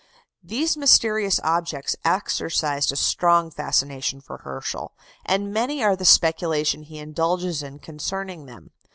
These mysterious objects exercised a strong fascination for Herschel, and many are the speculations he indulges in concerning them.